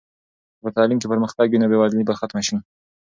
که په تعلیم کې پرمختګ وي نو بې وزلي به ختمه سي.